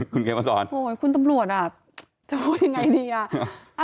คุณเขียนมาสอนโอ้ยคุณตำรวจอ่ะจะพูดยังไงดีอ่ะ